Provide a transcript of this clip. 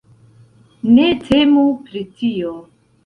Ne temu pri tio.